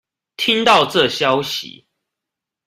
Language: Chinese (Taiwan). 聽到這消息